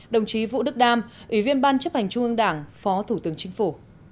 đồng chí vũ đức đam ủy viên ban chấp hành trung ương đảng phó thủ tướng chính phủ